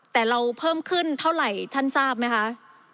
แต่เราเพิ่มขึ้นเท่าไหร่ท่านทราบไหมคะ